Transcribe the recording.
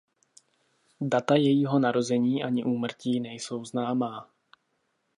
Data jejího narození ani úmrtí nejsou známá.